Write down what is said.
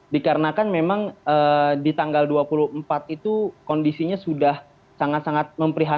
dikarenakan memang di tanggal dua puluh empat itu kondisinya sudah sangat sangat memprihatinkan